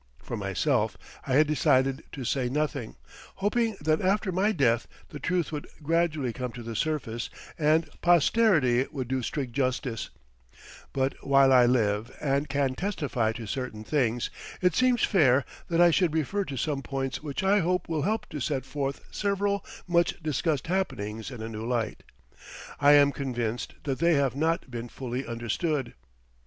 For myself, I had decided to say nothing, hoping that after my death the truth would gradually come to the surface and posterity would do strict justice; but while I live and can testify to certain things, it seems fair that I should refer to some points which I hope will help to set forth several much discussed happenings in a new light. I am convinced that they have not been fully understood.